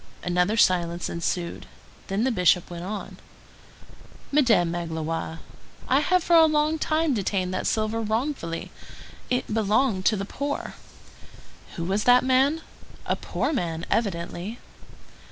Another silence ensued; then the Bishop went on:— "Madame Magloire, I have for a long time detained that silver wrongfully. It belonged to the poor. Who was that man? A poor man, evidently."